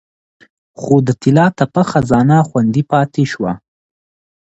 خو د طلا تپه خزانه خوندي پاتې شوه